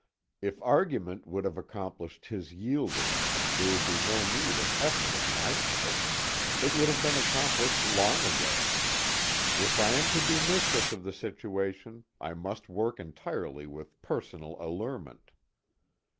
If argument would have accomplished his yielding there would be no need of effort on my part. It would have been accomplished long ago. If I am to be mistress of the situation I must work entirely with personal allurement.